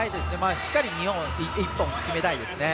しっかり日本は１本決めたいです。